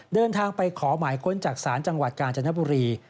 เดินทางไปขอหมายค้นจากศาลจังหวัดกาญจนบุรี